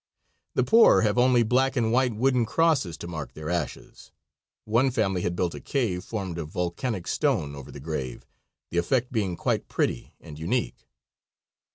The poor have only black and white wooden crosses to mark their ashes. One family had built a cave, formed of volcanic stone, over the grave, the effect being quite pretty and unique.